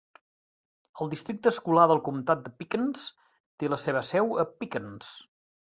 El districte escolar del comtat de Pickens té la seva seu a Pickens.